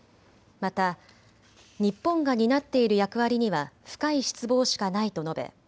また日本が担っている役割には深い失望しかないと述べ